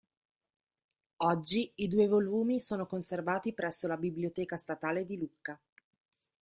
Oggi i due volumi sono conservati presso la Biblioteca Statale di Lucca.